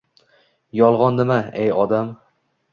— Yolg’on nima, ey odam?